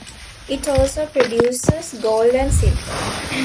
It also produces gold and silver.